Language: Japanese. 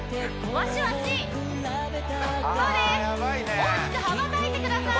やばいね大きく羽ばたいてください